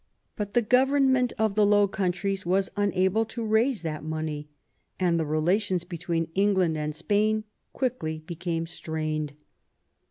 But the government of the Low Countries was unable to raise that money, and the relations between Eng land and Spain quickly became strained.